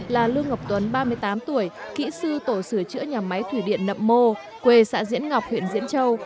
là lương ngọc tuấn ba mươi tám tuổi kỹ sư tổ sửa chữa nhà máy thủy điện nậm mô quê xã diễn ngọc huyện diễn châu